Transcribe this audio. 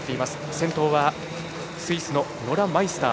先頭はスイスのノラ・マイスター。